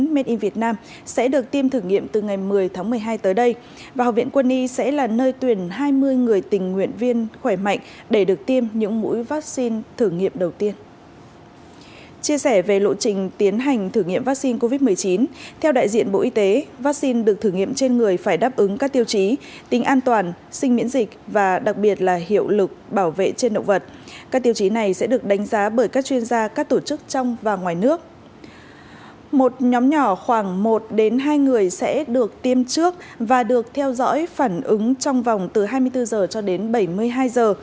một nhóm nhỏ khoảng một đến hai người sẽ được tiêm trước và được theo dõi phản ứng trong vòng từ hai mươi bốn giờ cho đến bảy mươi hai giờ